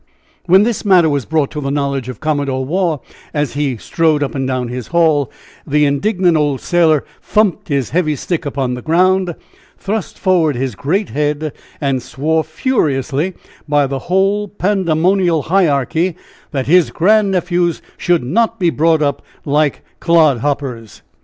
When this matter was brought to the knowledge of Commodore Waugh, as he strode up and down his hall, the indignant old sailor thumped his heavy stick upon the ground, thrust forward his great head, and swore furiously by the whole Pandemonial Hierarchy that his grandnephews should not be brought up like clodhoppers.